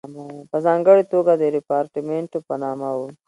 په ځانګړې توګه د ریپارټیمنټو په نامه وو.